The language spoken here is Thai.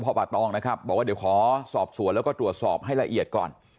ป่าตองนะครับบอกว่าเดี๋ยวขอสอบสวนแล้วก็ตรวจสอบให้ละเอียดก่อน